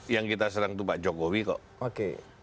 yang kita serang itu pak jokowi kok